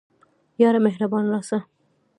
یاره مهربانه راسه